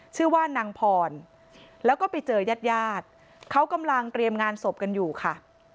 ชื่อว่านางพรแล้วก็ไปเจอยาดเขากำลังเตรียมงานศพกันอยู่ค่ะ